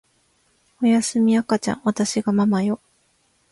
おやすみ赤ちゃんわたしがママよ